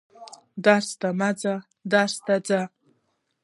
درس ته مه ځه درس ته ځه دي